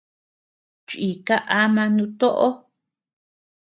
Chíika ama nutoʼo.